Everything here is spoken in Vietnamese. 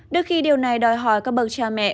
đôi khi điều này đòi hỏi các bậc cha mẹ